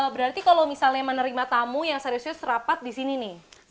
berarti kalau misalnya menerima tamu yang serius serius rapat di sini nih